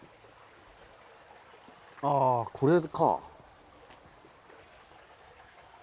あこれか。